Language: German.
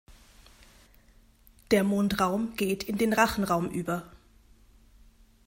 Der Mundraum geht in den Rachenraum über.